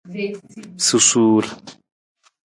Susuur.